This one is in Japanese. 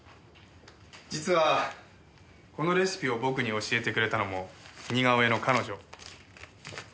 実はこのレシピを僕に教えてくれたのも似顔絵の彼女未知さんです。